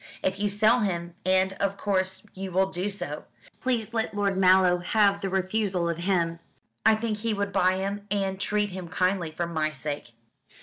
If you sell him and, of course, you will do so please let Lord Mallow have the refusal of him. I think he would buy him and treat him kindly, for my sake."